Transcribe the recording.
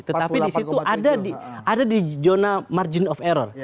tetapi disitu ada di zona margin of error